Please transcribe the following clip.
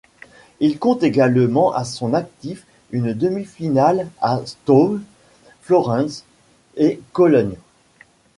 Il compte également à son actif une demi-finale à Stowe, Florence et Cologne.